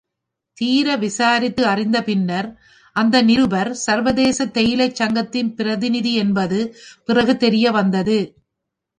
தீர விசாரித்து அறிந்த பின்னர், அந்த நிருபர், சர்வதேச தேயிலைச் சங்கத்தின் பிரதிநிதி என்பது பிறகு தெரியவந்தது.